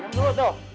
ya minum dulu tuh